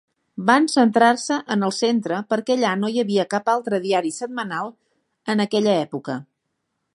Van centrar-se en el centre perquè allà no hi havia cap altre diari setmanal en aquella època.